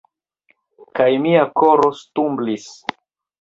Kaj mia koro stumblis.